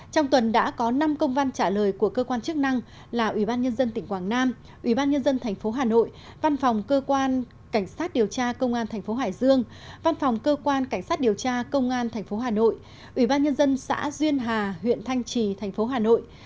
trong tuần đã có năm công văn trả lời của cơ quan chức năng là ủy ban nhân dân tỉnh quảng nam ủy ban nhân dân tp hà nội văn phòng cơ quan cảnh sát điều tra công an thành phố hải dương văn phòng cơ quan cảnh sát điều tra công an tp hà nội ủy ban nhân dân xã duyên hà huyện thanh trì thành phố hà nội